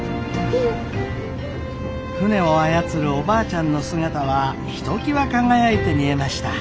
船を操るおばあちゃんの姿はひときわ輝いて見えました。